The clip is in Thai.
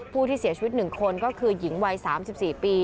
ผู้ที่เสียชีวิต๑คนก็คือหญิงวัย๓๔ปี